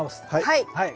はい。